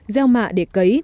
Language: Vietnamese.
gieo mạ để cấy